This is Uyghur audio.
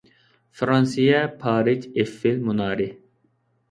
فىرانسىيە پارىژ ئېففېل مۇنارى